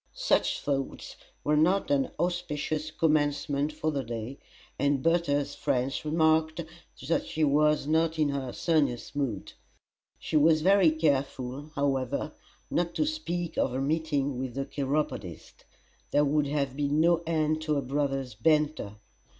Such thoughts were not an auspicious commencement for the day, and Bertha's friends remarked that she was not in her sunniest mood. She was very careful, however, not to speak of her meeting with the chiropodist; there would have been no end to her brother's banter.